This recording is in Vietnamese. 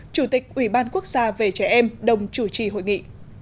chủ tịch ủy ban quốc gia về trẻ em đồng chủ trì hội nghị